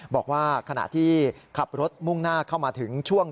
บอกว่าขณะที่ขับรถมุ่งหน้าเข้ามาถึงช่วง